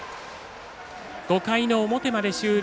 ５回の表まで終了。